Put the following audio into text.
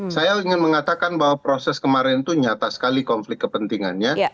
saya ingin mengatakan bahwa proses kemarin itu nyata sekali konflik kepentingannya